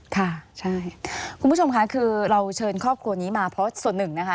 ค่ะใช่คุณผู้ชมค่ะคือเราเชิญครอบครัวนี้มาเพราะส่วนหนึ่งนะคะ